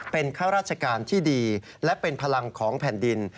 เป็นข้าราชการที่ดีและเป็นพลังของแผ่นดิน